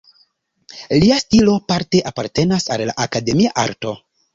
Lia stilo parte apartenas al la akademia arto.